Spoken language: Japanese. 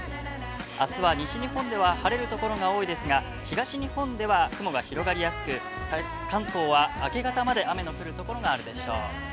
あすは西日本では晴れるところが多いですが、東日本では雲が広がり安く関東は明け方まで、雨の降るところがあるでしょう。